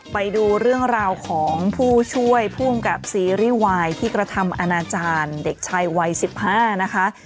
ไปดูเรื่องราวของผู้ช่วยผู้อำกับซีรีส์วายที่กระทำอนาจารย์เด็กชายวัย๑๕นะคะ